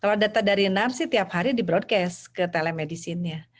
kalau data dari nar sih tiap hari di broadcast ke telemedicine nya